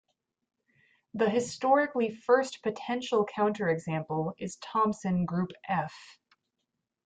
The historically first potential counterexample is Thompson group "F".